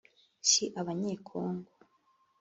si abanyekongo